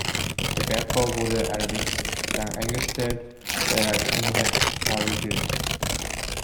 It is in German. Der Bergbau wurde allerdings bislang eingestellt, da er als unrentabel gilt.